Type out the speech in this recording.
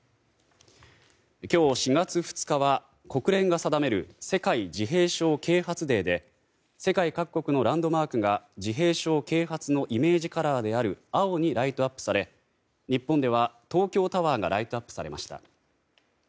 今日４月２日は国連が定める世界自閉症啓発デーで世界各国のランドマークが自閉症啓発のイメージカラーである青にライトアップされ日本では東京タワーがライトアップされました。